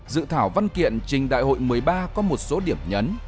dự thảo văn kiện trình đại hội một mươi ba có một số điểm nhấn